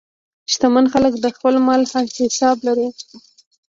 شتمن خلک د خپل مال حساب لري.